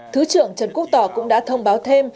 thứ trưởng trần quốc tỏ cũng đã thông báo thêm